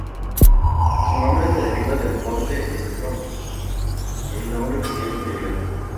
El nombre se deriva del Monte Strom, el nombre oficial anterior.